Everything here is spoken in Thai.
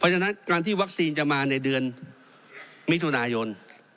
ฉะนั้นการที่วัคซีนจะมาในเดือนมิถุนายน